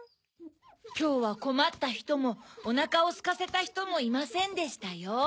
・きょうはこまったひともおなかをすかせたひともいませんでしたよ。